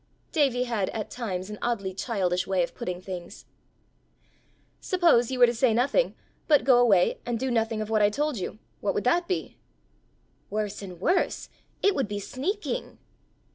Davie had at times an oddly childish way of putting things. "Suppose you were to say nothing, but go away and do nothing of what I told you what would that be?" "Worse and worse; it would be sneaking."